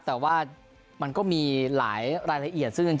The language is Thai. แต่ว่ามันก็มีหลายรายละเอียด